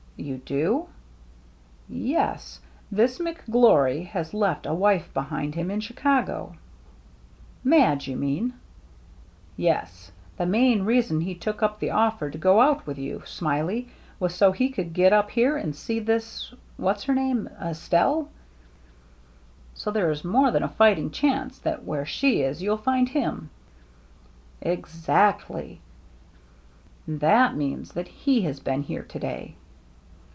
"You do?" " Yes. This McGlory has left a wife behind him in Chicago." " Madge, you mean ?" "Yes. The main reason he took up the offer to go out with you. Smiley, was so he could get up here and see this — what's her name? — Estelle." "So there is more than a fighting chance that where she is you'll find him." " Exactly." " And that means that he has been here to day."